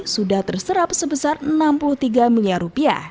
sudah terserap sebesar rp enam puluh tiga miliar